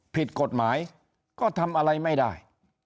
ผิดกฎหมายก็ทำอะไรไม่ได้